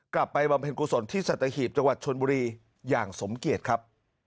บำเพ็ญกุศลที่สัตหีบจังหวัดชนบุรีอย่างสมเกียจครับ